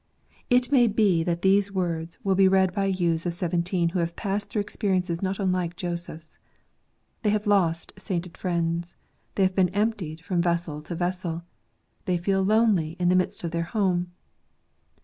It may be that these words will be read by youths of seventeen who have passed through experiences not unlike Joseph's. They have lost sainted friends. They have been emptied from vessel to vessel. They feel lonely in the midst of their home.